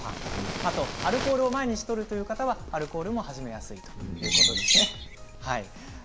あとはアルコールを毎日とるという方はアルコールも始めやすいということです。